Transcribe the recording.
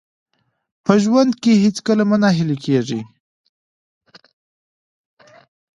په ژوند کې هېڅکله مه ناهیلي کېږئ.